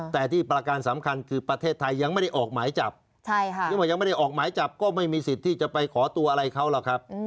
แต่ที่ประการสำคัญคือประเทศไทยยังไม่ได้ออกหมายจับหรือว่ายังไม่ได้ออกหมายจับก็ไม่มีสิทธิ์ที่จะไปขอตัวอะไรเขาหรอกครับ